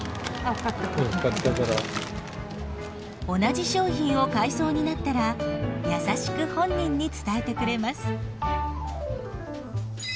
同じ商品を買いそうになったら優しく本人に伝えてくれます。